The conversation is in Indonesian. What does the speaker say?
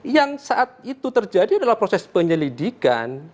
yang saat itu terjadi adalah proses penyelidikan